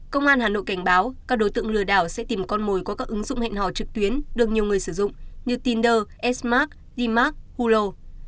công an hà nội cảnh báo các đối tượng lừa đảo sẽ tìm con mồi có các ứng dụng hệ nò trực tuyến được nhiều người sử dụng như tinder s mark d mark hulu